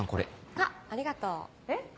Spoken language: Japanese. あっありがとう。えっ？